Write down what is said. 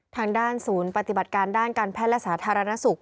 ทางด้านศูนย์ปฏิบัติการด้านการแพทย์และสาธารณสุข